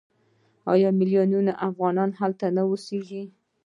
آیا میلیونونه افغانان هلته نه اوسېږي؟